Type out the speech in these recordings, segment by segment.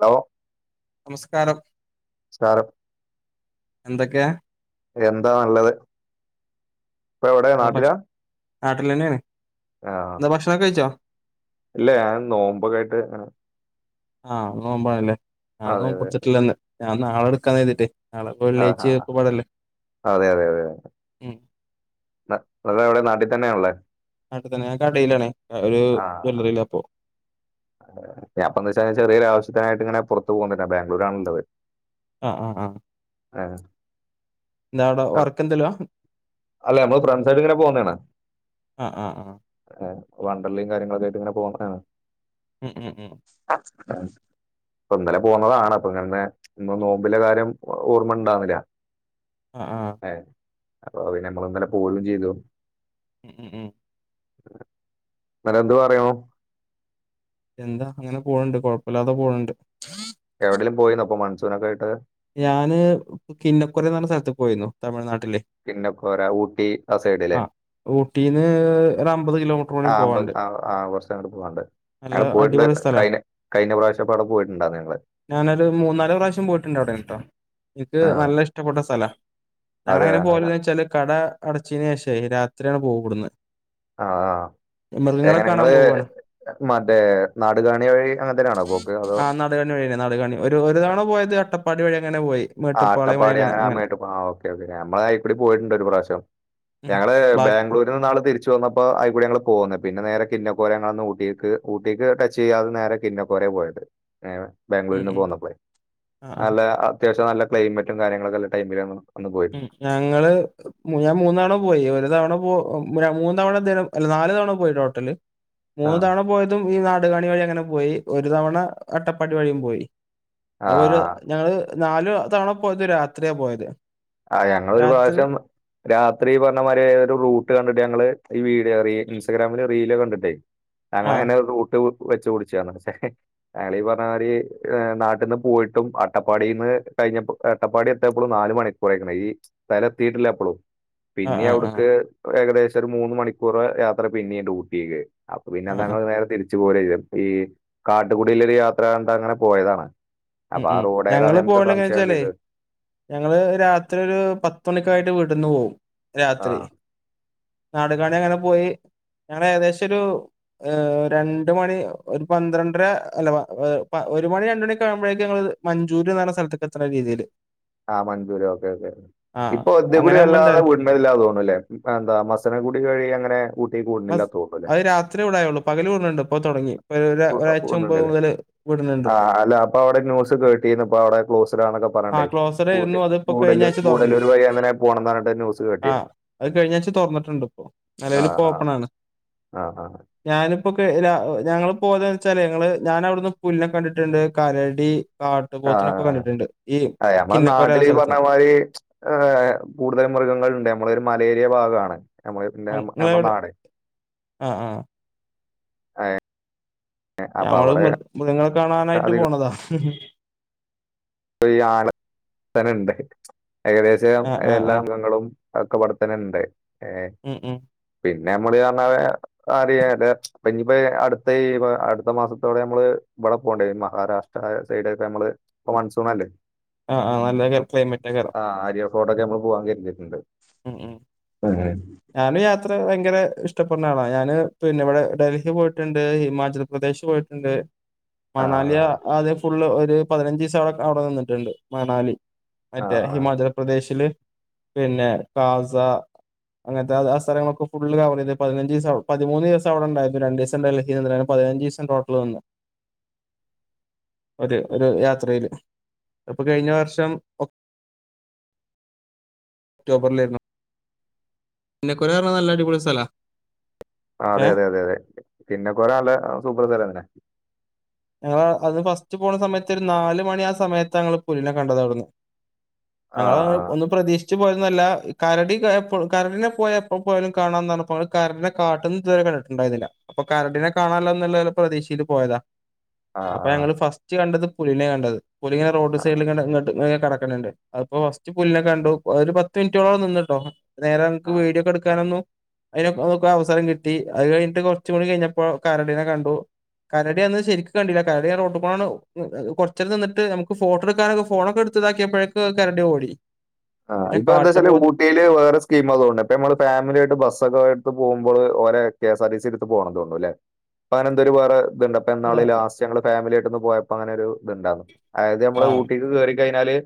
Hello നമസ്കാരം. നമസ്കാരം എന്തൊക്കെയ എന്താ നല്ലത് ഇപ്പ എവിടെ നാട്ടിലാ നാട്ടിലന്നേണ് ആ ന്താ ഭക്ഷ ണൊക്കെ കഴിച്ചോ ഇല്ല ഞാൻ നോമ്പൊക്കായിട്ട് അങ്ങനെ ആഹ് നോമ്പാണല്ലേ ആ അതെ അതെ നോമ്പുടിച്ചിട്ടില്ലന്ന് ഞാൻ നാളെ എടുക്കാന്ന് കരുതീട്ടേ നാളെപ്പ ആ ആ വെള്ളിയാഴ്ച്ചിം ഒക്കെപാടല്ലേ ഉം അതെവിടെ നാട്ടിൽ തന്നെയാണ് ല്ലേ നാട്ട്തന്നെ ഞാൻ കടയിലാണ് അ ഒരു ജ്വല്ലറിയിലാപ്പോ ഞാപ്പന്ത്ന്ന് വെച്ചാ ചെറിയൊരു ആവശ്യത്തിനായിട്ട് ഇങ്ങനെ പുറത്ത് പോകുന്നണ്ട് ബാംഗ്ലൂരാ ആണ ഉണ്ടത് ആ ആ ആ [unintelligible] എന്താട വർക്ക് എന്തോ ലാ അല്ലെ ഞമ്മള് ഫ്രണ്ട്സായിട്ട് ഇങ്ങനെ പോന്നേണ ആഹ് ആഹ് ആഹ് അ വണ്ടർലെം കാര്യങ്ങളൊക്കെ ആയിട്ട് ഇങ്ങനെ [unintelligible] ഉം ഉം ഉം [unintelligible] അപ്പൊ ഇന്നലെ പോന്നതാണ് അപ്പൊ ഇങ്ങനെ ഇന്ന് നോമ്പിലെ കാര്യം ഓർമ്മ ഉണ്ടാവില ആ ആ അപ്പൊ പിന്നെ നമ്മളിന്നലെ പോവല്ലം ചെയ്തു ഉം ഉം ഉം [unintelligible] എന്ത് പറയോ എന്താ അങ്ങനെ പോണ്‌ണ്ട് കൊഴപ്പല്ലാതെ പോണ്‌ണ്ട് എവിടെലും പോയിന്നോ ഇപ്പൊ മൺസൂണാക്കെ ആയിട്ട് ഞാന് കിന്നക്കുറെന്ന് പറഞ്ഞ സ്ഥലത്ത്ക്ക് പോയിന്നു തമിഴ്നാട് പിന്നെ [unintelligible] ഊട്ടി ആ സൈഡ് ലേ ആഹ് ഊട്ടീന്ന് ഒരു അമ്പത് കിലോമീറ്ററോളം ആ ബൽ പോവാണ്ട് അൽ ആ ആ കുറച്ചങ്ങട് പോവാണ്ട് നല്ല ഞങ്ങള് അടിപൊളി പോയിട്ടുണ്ടാരിന്നു സ്ഥലാ കഴിഞ്ഞ കഴിഞ്ഞ പ്രാവശ്യപ്പോ അവിടെ പോയിട്ടുണ്ടായിരുന്നു ഞങ്ങള് ഞാനൊരു മൂന്നാല് പ്രാവശ്യം പോയിട്ടുണ്ട് അവിടെണേല് ട്ടോ എനിക്ക് ആ നല്ല ഇഷ്ടപ്പെട്ട സ്ഥലാ അതെ ഞങ്ങളെങ്ങനെ അതെ പോവല്ന്ന് വെച്ചാല് കട അടച്ചീന് ശേഷേ രാത്രിയാണ് പോവും ഇവട്ന്ന് ആഹഹ മൃഗങ്ങളെ കാണാം പോവാണ് മറ്റേ നാടുകാണി വഴി അങ്ങനത്തേനാണോ പോക്ക് അതോ ആ നാടുകാണി വഴി എന്നേ നാടുകാണി ഒരു ഒരു തവണ പോയത് കേട്ടപ്പ ആഹ് അട്ടപ്പാടി അങ്ങനെ അമ്മയട്ട് പോ ആ ഓക്കെ ഓക്കെ നമ്മളയിക്കൂടി പോയിട്ടുണ്ട് ഒരു പ്രാവശ്യം ഉം ഞങ്ങള് ബാക്കി ബാംഗ്ലൂരിൽ നിന്നാളെ തിരിച്ചു [unintelligible] വന്നപ്പ അയിക്കൂടി ങ്ങങ്ങള് പോന്ന് പിന്നെ നേരെ കിന്നക്കോര ഞങ്ങളന്ന് ഊട്ടീക്ക് ഊട്ടീക്ക് ടച്ച് ചെയ്യാതെ നേരെ കിന്നക്കോരെ [unintelligible] പോയിട്ട് ഏ ഉം ബാംഗ്ലൂരിന്ന് നിന്ന് ഉം പോന്നപ്പേ ആ ആ നല്ല അത്യാവശ്യം നല്ല ക്ലൈമറ്റും കാര്യങ്ങളൊക്കെ ഉള്ള ടൈമിലാണ് അന്ന് ഉം പോയിരുന്നത് ഞങ്ങള് ഞാൻ മൂന്നവണ പോയി ഒരു തവണ പോ മൂന്ന തവണ ദിനം അല്ല നാലല് തവണ പോയി ടോട്ടല് ആ മൂന്ന തവണ പോയതും ഈ നാടുകാണി വഴി ങ്ങനെ പോയി ഒരു തവണ അട്ടപ്പാടി വഴിയും പോയി ഒരു ആ ഞങ്ങള് നാലല് തവണ പോയത് രാത്രിയ പോയത് ആ ഞങ്ങൊ ഒരു രാത്രി പ്രാവശ്യം രാത്രി പറഞ്ഞ മാതി ഒരു റൂട്ട് കണ്ടിട്ട് ഞങ്ങള് ഈ വീഡിയോ റ ഇൻസ്റ്റാഗ്രാമില് റീല കണ്ടിട്ടേ ആഹ്. ഞങ്ങങ്ങനെ റൂട്ട് വെച്ച കുടിച്ചന്ന പക്ഷേ ആളി പറഞ്ഞരി നാട്ടിൽ നിന്ന് പോയിട്ടും അട്ടപ്പാടിന്ന് കഴിഞ്ഞപ്പോ എട്ടപ്പാടി എയപ്പോൾ നാലല് മണിക്ക് കുറക്ക ഈ സ്ഥലം എത്തിട്ടില്ല എപ്പോളും ആഹ് പിന്നെ ആഹ് ആഹ്. അവിടുക്ക് ഏകദേശം പ ഒരു മൂന്ന് മണിക്കൂർ യാത്ര പിന്നെയുണ്ട് ഊട്ടിേക്ക് അപ്പൊ ആഹ് ആഹ്. പിന്നൊങ്കൾ നേരെ തിരി പോലും ഈ കാട്ടുകുടിയിലരു യാത്ര കണ്ട് അങ്ങനെ പോയതാണ് ഉ അപ്പൊ ആ ഉം റോഡേതാന്ന് ഞങ്ങള് ഞമ്മക്ക് പോയണ്ട എങ്ങ സംശയം വെച്ചാലേ ചെയ്ത്. ഞങ്ങള് രാത് രാത്രി ഒരു പത്തുമണിക്കായിട്ട് വീട്ടന്ന് പോകും രാത്രി ആഹ്. നാടുകാണി അങ്ങനെ പോയി ഞങ്ങള് ഏകദേശം ഒരു രണ്ട് മണി ഒരു പന്ത്രണ്ടര അല്ല ഒരുമണി രണ്ട് മണിക്കാകുമ്പോഴേക്ക്‌ ഞങ്ങള് മഞ്ജുര് എന്ന് പറഞ്ഞ സ്ഥലേത്തേക്ക് എത്തുന്ന രീതിൽ ആഹ് മഞ്ചൂര് ഓക്കെ ഓക്കേ ആഹ് ഇപ്പൊ അതിലെ കുടി അങ്ങനെ ആകുമ്പോ അല്ലാതെ എന്താറിയോ വീടിനതിലെ ആന്ന് തോന്നുന്നല്ലേ എന്ത മസന്ന കൂടി വഴി അങ്ങനെ ഊട്ടിലേക്ക് പോകുന്ന മസ് അത് രാത്രി ഇവിടായുള്ളൂ പകല് ഓടണോണ്ട് ഇപ്പൊ തുടങ്ങി വി ഒരാഴ്ച മുമ്പ് മുതല് ഇവുടുന്നുണ്ട് ഇപ്പൊവിടേ ന്യൂസിൽ കേട്ടീന്ന് ഇപ്പോ അവിടെ ക്ലോസ്ഡ് ആണെന്നൊക്കെ ആഹ് പറഞ്ഞിട്ടേ ഗുടെ ക്ലോസഡായിരുന്നു അത് ഇപ്പൊ ഗുഡാല് കഴിഞ്ഞാഴ്ച തൊറന്നു. ഗുഡാലൂർ വഴി അങ്ങെനെ ആഹ് പോ പോണമ്ന്ന്‌ പറഞ്ഞിട്ട് ന്യൂസ് കേട്ടിനു ആഹ് അത് കഴിഞ്ഞാഴ്ച തൊറന്നിട്ട്ണ്ട് ഇപ്പൊ. നെലവില് ഇപ്പൊ ആഹ് ആഹ് ആഹ് ആഹ് ഇപ്പൊക്കെ ഞങ്ങള് പോയതെന്ന് വെച്ചാല് ഞങ്ങള് ഞാൻ അവിടുന്ന് പുല്ലിനെ കണ്ടിട്ടുണ്ട് കരടി കാട്ട് പോത്തിനൊക്കെ കണ്ടിട്ടുണ്ട് ഈ ആഹ് നമ്മുടെ കിന്നക്കോര നാട്ടിൽ എന്ന ഈ സ്ഥലത്ത് നിന്ന് പറഞ്ഞമാതിരി മ് ച് കൂടുതൽ മൃഗങ്ങളുണ്ട് നമ്മള് ഒരു മലേൽ വലിയ ഭാഗമാണ് നമ്മടെ പിന്നെ നമ്മ നിങ്ങളെവിടെ നാട് [inaudible] ആ ആ അപ്പൊ ഞമ്മള് അവിടെ മൃഗങ്ങളെ കാണാനായിട്ട് അധികം പോണതാ ഈ [unintelligible] ഉണ്ട് ഏകദേശം ആ ആ എല്ലാ ആ അംഗങ്ങളും ഒക്കെ ഇവിട തന്നെ ഉണ്ട് ഏഹ് ഉം ഉം പിന്നെ പിന്നെ നമ്മള്കാരണം പറഞ്ഞാ അറിയലോ ഇനിപ്പോ അടുത്ത ഈ അടുത്ത മാസത്തോടെ നമ്മള് ഇവിടെ പോകാണോണ്ട് മഹാരാഷ്ട്ര സൈഡ് ഒക്കെ നമ്മള് ഇപ്പൊ അല്ലേ ആഹ് ആഹ് നല്ല ക്ലൈമറ്റ് നഗർ ആ ടൊക്കെ നമ്മൾ പോവാൻ കരുതിട്ടുണ്ട് മ് മ് ഞാനും യാത്ര ഭയങ്കര ഇഷ്ടപ്പെടുന്ന ആളാണ് ഞാൻ പിന്നെ ഇവിടെ ഡൽഹി പോയിട്ടുണ്ട് ഹിമാചൽ പ്രദേശ് പോയിട്ടുണ്ട് ആ മണാലിയ ആദ്യ ഫുള്ള് ഒരു പതിനഞ്ച് ദിവസി അവിടെ അവിടെ നിന്നിട്ടുണ്ട് മണാലി ആ ആ മറ്റേ ഹിമാചൽ പ്രേദേശിൽ പിന്നെ ടാസ അങ്ങനത്തെ ആ സ്ഥലങ്ങളൊക്കെ ഫുള്ള് കവർ ചെയ്ത് പതിനഞ്ചു ദിവസം പതിമൂന്ന് ദിവസം അവിടെണ്ടായിരുന്നു രണ്ട് ദിവസം ഡൽഹി നിന്നിട്ട് സേവ്ന്റീൻ ഡേയ്‌സ് ടോട്ടൽ നിന്ന് ഒരു ഒരു യാത്രയില് അപ്പൊ കഴിഞ്ഞ വർഷം ഒക് ഒക്ടോബറിലായിരുന്നു പിന്നെ കൊറെ പറഞ്ഞ നല്ലടിപൊളി സ്ഥല അതെ അതെ അതെ അതെ പിന്നെ കൊറെ നല്ല സൂപ്പർ സ്ഥലം തന്നെ ആഹ് അന്ന് ഫസ്റ്റ് പോണ സമയത്ത് ഒരു നാല് മണി ആ സമയത്ത ഞങ്ങൾ പുലിനെ കണ്ടത് അവിടന്ന് ആ ആ [unintelligible] ഒന്ന് പ്രതീക്ഷിച് ച്ചു പോയതോന്നുവല്ല കരടി ക് പ്പോ കരടിനെ പോയ എപ്പോ പോയാലും കാണാന്ന് പറഞ്ഞപ്പോ ഞങ്ങൾ കരടിനെ കാട്ടിന് ഇതു വരെ ട്ടുണ്ടായിരുന്നില്ല അപ്പൊ കരടീനെ കാണല്ലോനുള്ള പ്രതീഷയിൽ പോയതാ ആ അപ്പൊ ഞങ്ങള് ഫസ്റ്റ് കണ്ടത് പുലിനെ കണ്ടത് പുലിങ്ങനെ റോഡ് ആ ആ സൈഡിൽ ഇങ്ങനെ ഇങ്ങട്ട് കടക്കണെ കണ്ടു അതിപ്പോൊ ഫസ്റ്റ് പുല്ലിനെ കണ്ടു ഒരു പത്ത് മിനിറ്റോളം നിന്നിട്ടോ നേരെ നിങ്ങക് ആ വീഡിയോക്കെ എടുക്കാനൊന്നും അതിനൊക്കെ അവസരം കിട്ടി അത് കഴിഞ്ഞിട്ട് കൊറച്ചുകൂടി കഴിഞ്ഞപ്പോ കരടിനെ കണ്ടു കരടി അന്ന് ശരിക്കും കണ്ടില്ല കരടി ആ റോട്ടിക്കൂടെ കൊറച്ചുനേരം നിന്നിട്ട് നമുക്ക് ഫോട്ടോ എടുക്കാനൊക്കെ ഫോണൊക്കെ എടുത്ത് ഇതാക്കിയപ്പോഴേക്ക് കര ടി ഓടി ആഹ് പിന്നെ ഇപ്പ എന്താ വെച്ചാല് കാട്ടുപോത്ത് ഊട്ടിയില് വേറെ സ്കീമുകളും ഇപ്പൊ നമ്മള് ഫാമിലി ആയിട്ട് ബസൊക്കെ എടുത്ത് പോകുമ്പോള് വേറേ K S R T C എടുത്ത് പോണം തോന്നുന്നു അല്ലെ ഇപ്പൊ അങ്ങനെ എന്തേലും വേറെ അതാ [unintelligible] ലാസ്റ്റ് ഞങ്ങള് ഫാമിലി ആയിട്ടൊന്ന് പോയപ്പോ അങ്ങനെ ഒരു ഇതുണ്ടാരുന്നു അതായത് നമ്മള് ആ ഊട്ടിന്ന് കേറി കഴിഞ്ഞാല്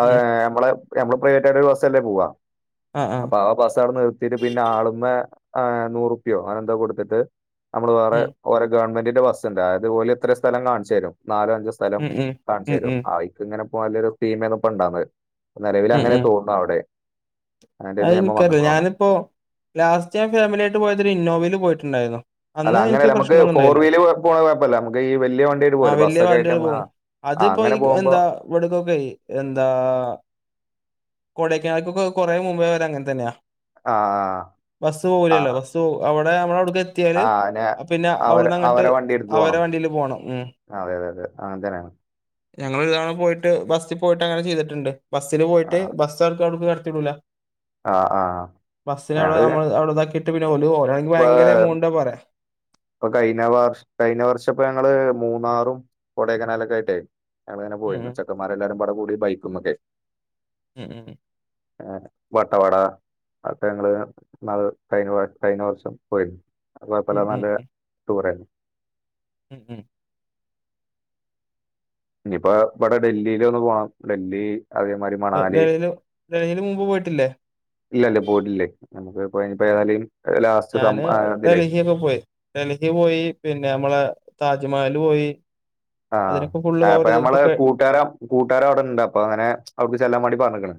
ആഹ് ഉം ഞമ്മളെ ഞമ്മള് പ്രൈവറ്റായിട്ട് ഒരു ബസ്സിലല്ലേ പോവാ അപ്പൊ ആ ബസ് അവിടെ നിർത്തിട്ട് പിന്നെ ആളുമെ നൂറ് റുപ്പിയോ അങ്ങനെന്തോ കൊടുത്തിട്ട് നമ്മള് വേറെ ഉം ഓരോ ഗവൺമെന്റിന്റെ ബസ്സുണ്ട് അതുപോലെ ഇത്രയും സ്ഥലം കാണിച്ചു തരും നാലോ അഞ്ചോ സ്ഥലം ഉം ഉം കാണിച്ചു ഉം തരും ഉം ആയിക്ക് ഇങ്ങനെ പോകാനുള്ളൊരു സ്കീമാണ് ഇപ്പോ ഉണ്ടായിരുന്നത് നിലവിൽ ഉം അങ്ങനെ ഉം തോന്നുന്നു അവിടെ അതിന്റെ അത് നിയമം എനിക്കറിയല്ല വന്നിട്ടുണ്ടോ ഞാനിപ്പോ ലാസ്റ്റ് ഞാൻ ഫാമിലി ആയിട്ട് പോയത് ഒരു ഇന്നോവയിൽ പോയിട്ടുണ്ടായിരുന്നു അല്ല അന്ന് എനിക്ക് അങ്ങനെയല്ല നമ്മക്ക് പ്രശ്നമൊന്നും ഫോർ ഉണ്ടായില്ല. വീല് കൊഴപ്പവില്ല നമ്മക്ക് ഈ വല്ല്യ വണ്ടിയായിട്ട് പോവൂല്ലേ ബസ്സൊക്കെ ആയിട്ട് നമ്മള് ആ അത് ആ, ഇപ്പോ ഈ അങ്ങനെ പോകുമ്പോ എന്താ ഇവിടേക്കൊക്കെയായി എന്താ കൊടക്കനാൽക്കൊക്കെ കൊറേ മുമ്പേ വരെ അങ്ങനെ തന്നെയാ ആ ബസ് ആ പോവൂല്ലല്ലോ ബസ് അവി ടെ നമ്മള് അവിടേക്ക് എത്തിയാല് ആ നെ പിന്നെ അവര അവിടുന്ന് അങ്ങോട്ട്‌ അവരെ വണ്ടി എടുത്ത് അവരുടെ പോണം വണ്ടിയില് പോണം ഉം അതെ അതെ അതെ അങ്ങനെ തന്നെയാണ് ഞങ്ങൾ ഒരു തവണ പോയിട്ട് ബസ്സിൽ പോയിട്ട് അങ്ങനെ ചെയ്തിട്ടുണ്ട് ബസ്സിന് പോയിട്ട് ബസ് അവർക്ക് അവിടേക്ക് കടത്തി വിടൂല്ല ആഹ് ആഹ് ബസ്സിൽ അവിടെ നമ്മ അവിടെ ഇതാക്കിട്ട് പിന്നെ ഓല് ഓലാണെങ്കിൽ വേ ഭയങ്കര എമൗണ്ടാ പറയുക ഇപ്പൊ കഴിഞ്ഞ വർ കഴിഞ്ഞ വർഷം ഇപ്പോ ഞങ്ങള് മൂന്നാറും കൊടേക്കനാലൊക്കെ ആയിട്ടേ ഞങ്ങൾ അങ്ങനെ ഉം പോയിരുന്നു ചെക്കന്മാര് എല്ലാരുപാടെ കൂടി ബൈക്കുമേക്കേ ഉം ഉം ഉം ആ വട്ടവട അപ്പ ഞങ്ങള് കഴിഞ്ഞ കഴിഞ്ഞ വർഷം പോയിരുന്നു അപ്പ പല ഉം ഉം നല്ല ഉം സൂപ്പർ ആയിരുന്നു ഉം ഉം ഇനിപ്പാ ഇവിടെ ഡെല്ലീലൊന്നു പോണം ഡെല്ലീ അതേമാതിരി ഡ മണാലി. ഡൽഹില് ഡൽഹില് മുമ്പ് പോയിട്ടില്ലേ? ഇല്ലല്ലേ പോയിട്ടില്ലേ നമുക്ക് അപ്പഅതിനിപ്പ ആ ഏതാലിം ഞാന് ഡൽഹിയൊക്കെ പോയി. ഡൽഹി പോയി പിന്നെ നമ്മള് താജ്മഹല്ല് പോയി ആഹ് അതിനൊക്കെ ഫുള്ള് കവർ അപ്പൊ ചെയ്ത് നമ്മളെ ഇപ്പൊക്കെ കൂട്ടാര കൂട്ടുകാര അവിടെണ്ട് അപ്പൊ അങ്ങനെ അവിടക്ക് ചെല്ലാൻ വേണ്ടി പറഞ്ഞേക്കണ്.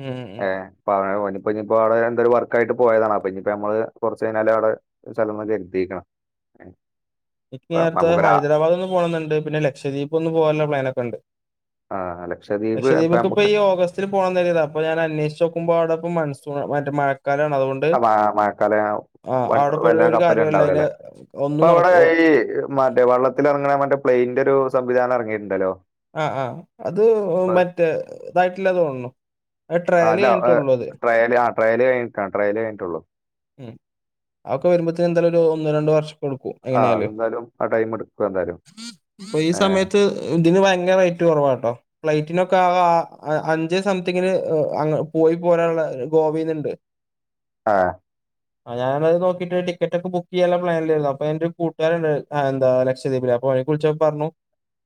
ഉം ഉം ഏഹ് പറയണ പോലും ഇപ്പ ഇനിയിപ്പ അവിടെ എന്തോ ഒരു വർക്ക് ആയിട്ട് പോയതാണപ്പ ഇനിയിപ്പ ഞമ്മള് കുറച്ച് കഴിഞ്ഞാല് അവിടെ സ്ഥല [unintelligible] എനിക്ക് നേരത്തെ ഹൈദരാബാദ് ഒന്ന് പോണന്നെണ്ട് പിന്നെ ലക്ഷദ്വീപ് ഒന്ന് പോകാനുള്ള പ്ലാനൊക്കെ എണ്ട്. ആഹ് ലക്ഷദ്വീപ് ലക്ഷദീപക്ക ഇപ്പൊ നമുക്ക് ഈ ഓഗസ്റ്റില് പോണന്ന് കരുതിയതാ അപ്പൊ ഞാൻ അന്വേഷിച്ചോ ക്കുമ്പ അവിടിപ്പം മൺസൂണ് മറ്റ മഴ [unintelligible] മഴക്കാലാവും ആ അവിടെ വ വല്ല പോയിട്ട് ഒരു കപ്പലും കാര്യല്ല അതിന് ഇണ്ടാവുലാല്ലേ അപ്പൊ ഒന്നും അവിടെ നടക്കോ ഈ മറ്റേ വള്ളത്തിലറങ്ങണേ മറ്റേ പ്ലെയിന്റൊരു സംവിധാനം ഇറങ്ങിയിട്ടുണ്ടല്ലോ ആഹ് ആഹ് അത് ഇപ്പൊ മറ്റേ ഇതായിട്ടില്ല തോന്നണു അല്ല ട്രയല് ആ ട്രയല് കഴിഞ്ഞിട്ട ട്രയൽ കഴിഞ്ഞിട്ടുള്ളു ഉം അതൊക്കെ വരുമ്പോത്തേന് എന്തായാലും ഒരു ഒന്ന് രണ്ട് വർഷം എടുക്കും ആ എങ്ങനെയായാലും അതെന്തായാലും ആ ടൈം എടുക്കും എന്തായാലും അപ്പൊ ഈ ആഹ് സമയത്ത് ഇതിന് ഭയങ്കര റേറ്റ് കുറവാട്ടോ. ഫ്ലൈറ്റിനൊക്ക ആ അഞ്ച് സംതിങ്ങിന് എഹ് അങ്‌ പോയി പോരാനുള്ള ഗോവേന്നിണ്ട്. ആഹ ആ ഞാനത് നോക്കിട്ട് ടിക്കറ്റൊക്കെ ബുക്ക് ചെയ്യാനുള്ള പലാനിലായിരുന്നു അപ്പ എന്റെ ഒരു കൂട്ടുകാരുണ്ട് എാ ലക്ഷദ്വപില അപ്പോെ കുളിച്ച പറഞ്ഞു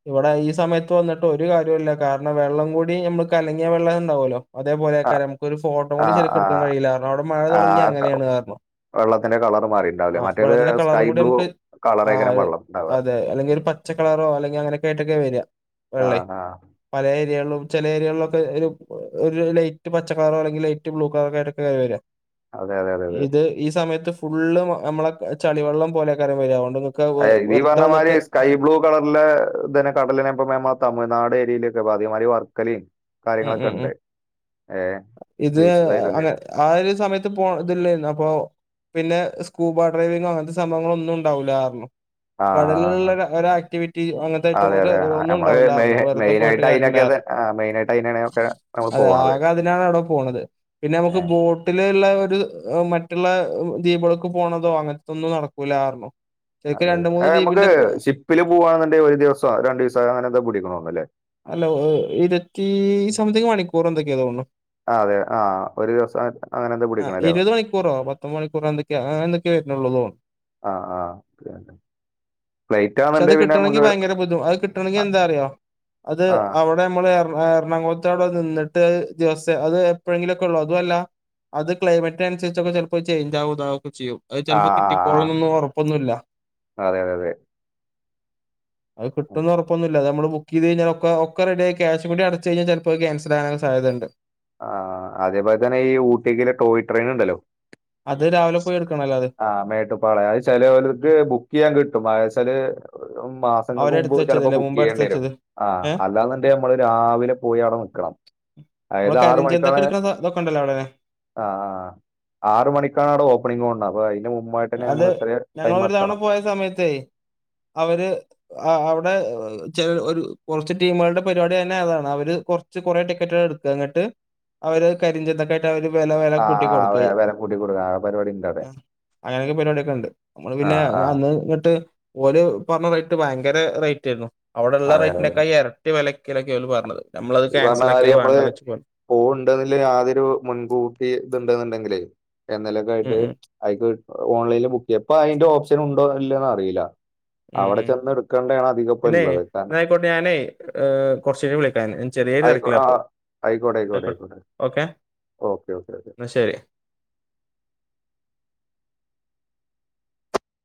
ഇവിടെ ഈ സമയത്ത് വന്നിട്ട് ഒരു കാര്യമല്ല കാരണം വെള്ളം കൂടി നമ്മള് കലങ്ങിയ വെള്ളം ഉണ്ടാവല്ലോ അതേപോലെൊക്കെ നമുക്ക് ഒരു ഫോട്ടോ കൂടി ശരിക്കും എടുാൻ ആഹ് കഴിയി കാര അവിടെ മഴ തുടങ്ങി ആഹ് അങ്ങനെയാണ് കാരണം വെള്ളത്തിന്റെ കളർ ആ മാറിയിട്ടുണ്ടാവില്ലേ മറ്റേത് വെള്ളത്തിന്റെ കളറും സ്കൈ കൂടി ബ്ലൂ നമുക്ക് ആ കളറേക്കരം വെള്ളം ഉണ്ടാവുക അതെ അല്ലെങ്കിൽ ഒരു പച്ചക്കളറോ അല്ലെങ്കിൽ അങ്ങനെയൊക്കൊയിട്ടൊക്കെ വരിക ആ വെള്ളേ ആ പല ചില ഏയകളിലൊക്കെ ഒരു ലൈറ്റ് പച്ചക്കളർ അല്ലെങ്കിൽ ലൈറ്റ് ബ്ലൂ കളർ ആട്ടൊക്കെ കാര് വരാ അതെ അതെ അതെ അതെ ഇത് ഈ സമയത്ത് ഫുള്ള് നമ്മളെ ചളിവെള്ളം പോലെ കാര്യം വരാവ അതെ ഈ പറഞ്ഞ മാതിരി സ്കൈ ബ്ലൂ കളറിലെ ഇതെ കടലിനെ ഇപ്പ മാൻ മാത്താമ നാട് രിയയില ാതിമാരി വർക്കലിൻ ഉം കാര്യങ്ങളൊക്കെ ഉം ഉം ഉണ്ട് ഇത് ബീച്ച് സൈഡൊക്കെ അങ്ങ ആ ഒരു സമയത്ത് പോ ഇതില്ലേരുന്ന അപ്പൊ പിന്നെ സ്കൂബ ഡ്രൈവിംങ്ങോ അങ്ങനത്തെ സംഭവങ്ങളോന്നും ഉണ്ടാവൂലാർന്നു ആ കടലുള്ള ആ, ഒരാ ആക്ടിവിറ്റി അങ്ങനത്തെ ഏറ്റും അതെ ഒരു അതെ ഒന്നും ഉണ്ടാവില്ലാർന്ന് വെറുതെ പോയിട്ട് കാര്യണ്ടാ അതെ ആ മൈനായി അതെ ആകെ അതിനാണ് അവിടെ പോണത് പിന്നെ നമുക്ക് അതെ ബോട്ടില് റ്റുള്ളഒരു മറ്റുള്ള ദ്വീപകൾക്ക് പോണതോ അങ്ങനത്തൊന്നും നടക്കൂല്ലാർന്നു അതെ അതെ അ നമുക്ക് ഷിപ്പില് പോവാന്നുണ്ടെ ഒരു ദിവസോ രണ്ടിസോ അങ്ങനെ എന്തോ പിടിക്കണോന്നല്ലേ ഇരത്തി സംതിങ് മണിക്കൂർ എന്തൊക്കെയാതോന്നു ആ അതെ ആ ഒരു ദിവസം അങ്ങനെ എന്താ ആ പിടിക്കണല്ലേ ഇരുപത് മണിക്കൂറോ പത്ത് മണിക്കൂറോ എന്തൊക്കെയയന്ന് ള്ളതോ [unintelligible] ആഹ് ആഹ അതന്നെ പക്ഷെ അത് കിട്ടണെങ്കി ഭയങ്കര ബുദ്ധുഅത് കിട്ടണെങ്കിൽ എന്താറിയോ അത് ആഹ് അവിടെ നമ്മളെർ എറണാകുളത്തടെ നിന്നിട്ട് ദിവസേ അത് എപ്പോഴെങ്കിലൊക്കെഉള്ളു അതുഅല്ല അത് ക്ലൈമറ്റ് അനുസരിച്ചൊക്കെ ചിലപ്പോ ചേഞ്ച് ആവൂതാവു ചെയ്യും അത് ആഹ് ചിലപ്പോ ആഹ് ആഹ് കിട്ടിക്കോളന്ന്ന്നൊന്നും ഉറപ്പൊന്നുമില്ല അതെ അതെ അതെ അത് കിട്ടുന്ന് ഉറപ്പൊന്നുമില്ല അത് നമ്മള് ബുക്ക് ചെയ്ത്കിഞ്ഞാൽക്ക ഒക്ക റെഡിയ ക്യാഷ് കുടി അടച്ച് കഴിഞ്ഞാ ചിലപ്പോ അത് ക്യാൻസലാകാൻ സധ്യത ഉണ്ട് ആ അതേപോലെ തന്നെ ഈ ഊട്ടിക്ക് ടോയ് ട്രെയിൻ ഉണ്ടല്ലോ അത് രാവിലെ പോയി എടുക്കണല്ലോ അത് ആഹ മേട്ടുപ്പാളയം അത് ഉം. ചിലവർക്ക് ബുക്ക് ചെയ്യാൻ കിട്ടും പാഴസല് മാസങ്ങൾക്ക് മുമ്പ് അവരെടുത്ത് അപ്പോ വെച്ചതല്ലേ മുമ്പ് എടുത്ത് ബുക്കെയ്യാന്നേരം വെച്ചത് ആ ഏഹ് അല്ലാന്നുണ്ടെ നമ്മള് രാവിലെ പോയി അടെ നൽക്കണം ഉ [unintelligible] അതായത് ആറ് മണിക്കാളെ അ അ ആ ആറ് മണിക്കണട ഓപ്പണിങ്ങോണ്ടേ അപ്പോ അതിന് അത് ഞങ്ങളോരു തവണ പോയ സമയത്തെ അവര് ആ അവി പ്പ ചെലര് ഒരു കുറച്ച് ടീമുകളുടെ പരിപാടി തന്നെ അതാണ് അവര് കുറച്ച് കുറേ ടിക്കറ്റുക എടുക്കുക എന്നിട്ട് അവര് കരിഞ്ചതൊക്കയിട്ട് അവരു ആഹ് ആ വില കൂട്ടിക്കൊടുക്ക പരിപാടി ഉണ്ട അതെ അങ്ങനൊക്കെ പരിപാടിക്കെ ഉണ്ട് നമ്മള് പിന്നെ ഞാൻ അന്ന് ഇട്ട് ഓല് പറഞ്ഞ റേറ്റ് ഭയങ്കര റേറ്റയിരുന്നു അവിടെള്ള അതെ അതെ അതെ. റേറ്റിനെക്കായി ഇരട്ടി വിലക്കലൊക്കെ ഓല് പറഞ്ഞത് നമ്മളത് ഈ പറഞ്ഞ ക്യാൻസൽ കാര്യം ആക്കിയത് നമ്മള് വേണ്ടന്ന് വെച്ച് പോന്നു പോവ് ഉണ്ടന്നില്ല യാതൊരു മുൻകൂട്ടി ഇതണ്ട്ന്നണ്ടെങ്കിലേ എന്നലൊക്കെ ഉം ആയിട്ട് ഉം അയ്ക്ക് ഓൺലൈനിൽ ബുക്ക് ചെയ്യ അപ്പൊ അതിന്റെ ഓപ്ഷൻ ഉണ്ടോ ഇല്ലന്ന് അറിയില്ല ഉം അവിടെ ഉ ചെന്ന് എടുക്കേണ്ടയാണ് അധികം ഇപ്പ പിന്നെ ഇള്ളത് കാരണം എന്നായിക്കോട്ടെ ഞാനേ കുറച്ചു കഴിഞ്ഞ് വിളിക്കൻ ആയിക്കോ ആ ആയിക്കോട്ടെ ആയിക്കോട്ടെ ആയിക്കോട്ടെ ഓക്കെ ഓക്കെ ഓക്കെ ഓക്കെ എന്നാ ശരി [inaudible]